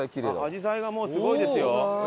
あじさいがもうすごいですよ。